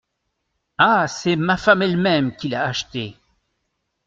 Ah ! c’est ma femme elle-même qui l’a acheté.